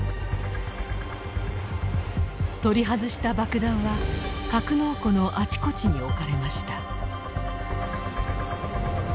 取り外した爆弾は格納庫のあちこちに置かれました。